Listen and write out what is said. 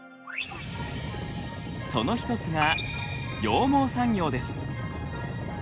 その一つが羊毛産業です。